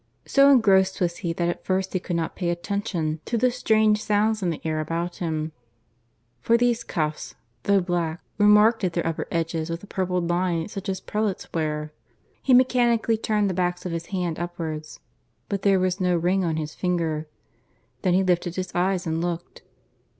So engrossed was he that at first he could not pay attention to the strange sounds in the air about him; for these cuffs, though black, were marked at their upper edges with a purpled line such as prelates wear. He mechanically turned the backs of his hands upwards; but there was no ring on his finger. Then he lifted his eyes and looked.